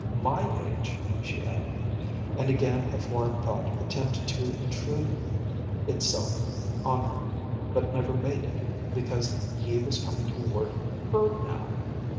My age, she added, and again a foreign thought attempted to intrude itself on her but never made it, because he was coming toward her now.